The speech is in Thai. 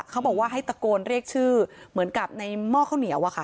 เขาบอกว่าให้ตะโกนเรียกชื่อเหมือนกับในหม้อข้าวเหนียวอะค่ะ